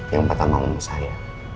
yang pertama umur saya